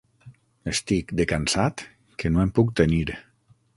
Estic, de cansat, que no em puc tenir.